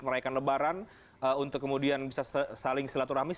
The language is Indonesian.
merayakan lebaran untuk kemudian bisa saling silaturahmis